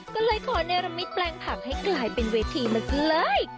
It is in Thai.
ก็เลยขอเนรมิตแปลงผักให้กลายเป็นเวทีมาซะเลย